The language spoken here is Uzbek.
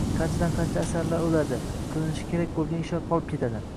Qanchadan-qancha asarlar o‘ladi, qilinishi kerak bo‘lgan ishlar qolib ketadi.